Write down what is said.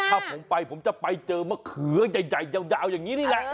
ถ้าผมไปผมจะไปเจอมะเขือใหญ่ยาวอย่างนี้นี่แหละ